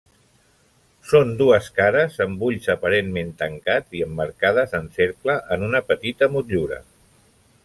Són dues cares amb ulls aparentment tancats i emmarcades en cercle en una petita motllura.